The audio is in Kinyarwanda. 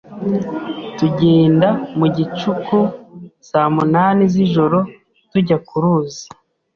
tugenda mu gicuku saa munani z’ijoro tujya ku ruzi